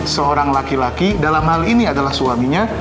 seorang laki laki dalam hal ini adalah suaminya